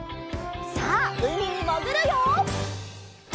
さあうみにもぐるよ！